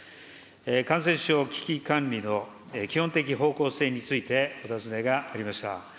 感染症危機管理の基本的方向性についてお尋ねがありました。